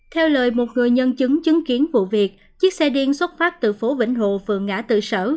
theo lời một người nhân chứng chứng kiến vụ việc chiếc xe điên xuất phát từ phố vĩnh hồ phường ngã tự sở